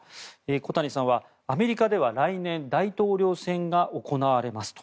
小谷さんは、アメリカでは来年、大統領選が行われますと。